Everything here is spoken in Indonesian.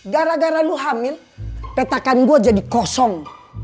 gara gara lu hamil petakan gue jadi kosong